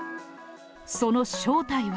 その正体は。